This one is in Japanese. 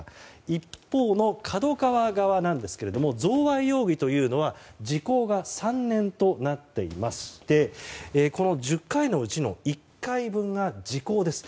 一方のＫＡＤＯＫＡＷＡ側ですが贈賄容疑は時効が３年となっていましてこの１０回のうちの１回分が時効です。